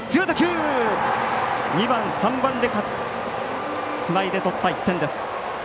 ２番、３番でつないで取った１点。